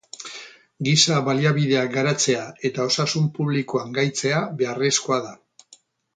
Giza baliabideak garatzea eta osasun publikoan gaitzea beharrezkoa da.